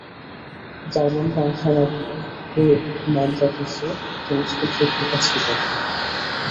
জার্মানরা আসার আগে, ও ম্যান্দ্রাকোসে একজন স্কুলশিক্ষিকা ছিল।